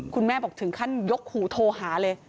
คุณแม่บอกถึงขั้นยกหูโทรหาเลย